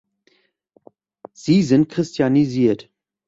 Sie sind christianisiert.